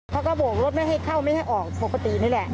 เขาก็โบกรถไม่ให้เข้าไม่ให้ออกปกตินี่แหละ